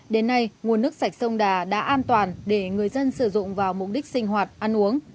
đến nay nguồn nước sạch sông đà đã an toàn để người dân sử dụng vào mục đích sinh hoạt ăn uống